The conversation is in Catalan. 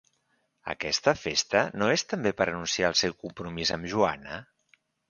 Aquesta festa no és també per anunciar el seu compromís amb Joanna?